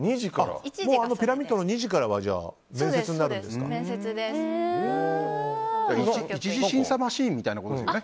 ピラミッドの２次からはじゃあ、面接になるんですか。